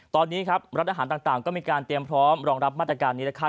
ตอนนี้ครับรัฐอาหารต่างก็มีการเตรียมพร้อมรองรับมาตรการนี้นะคะ